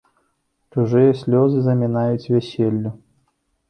Чужыя слёзы замінаюць вяселлю.